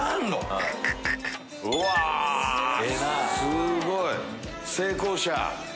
すごい！成功者。